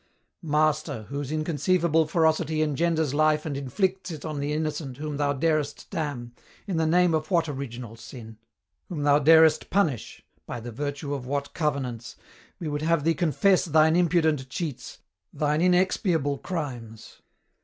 "Master, whose inconceivable ferocity engenders life and inflicts it on the innocent whom thou darest damn in the name of what original sin? whom thou darest punish by the virtue of what covenants? we would have thee confess thine impudent cheats, thine inexpiable crimes!